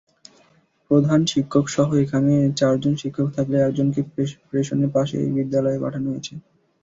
প্রধান শিক্ষকসহ এখানে চারজন শিক্ষক থাকলেও একজনকে প্রেষণে পাশের বিদ্যালয়ে পাঠানো হয়েছে।